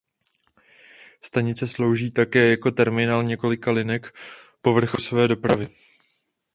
Stanice slouží také jako terminál několika linek povrchové autobusové dopravy.